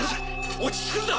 落ち着くんだ！